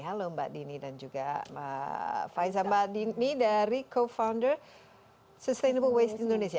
halo mbak dini dan juga mbak faiza mbak dini dari co founder sustainable waste indonesia